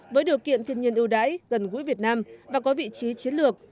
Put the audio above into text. với điều kiện thiên nhiên ưu đãi gần gũi việt nam và có vị trí chiến lược